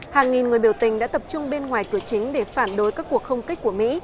hàng nghìn người biểu tình đã tập trung bên ngoài cửa chính để phản đối các cuộc không kích của mỹ